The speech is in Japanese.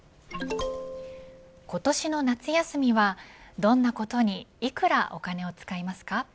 今年の夏休みはどんなことにいくらお金を使いますか。